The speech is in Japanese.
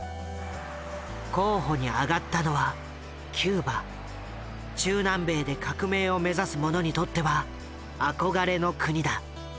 候補に挙がったのは中南米で革命を目指す者にとっては憧れの国だ。